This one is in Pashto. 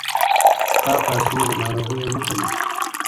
پاک لاسونه د ناروغیو مخه نیسي.